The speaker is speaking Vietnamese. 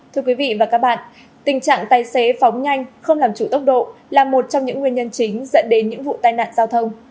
thưa quý vị và các bạn tình trạng tài xế phóng nhanh không làm chủ tốc độ là một trong những nguyên nhân chính dẫn đến những vụ tai nạn giao thông